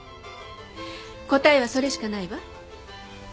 答えはそれしかないわ。